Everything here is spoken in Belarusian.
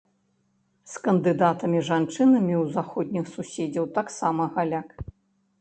З кандыдатамі-жанчынамі ў заходніх суседзяў таксама галяк.